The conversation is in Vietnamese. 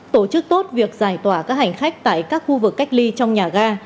tổ chức tốt việc giải tỏa các hành khách tại các khu vực cách ly trong nhà ga